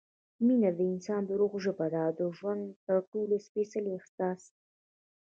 مینه – د انسان د روح ژبه او د ژوند تر ټولو سپېڅلی احساس